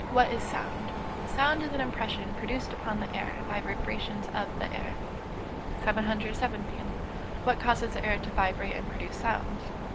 What is sound? Sound is an impression produced upon the ear by vibrations of the air. 717. _What causes the air to vibrate and produce sounds?